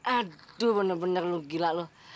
aduh bener bener lu gila lu